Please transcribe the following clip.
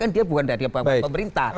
dia bukan dari pemerintah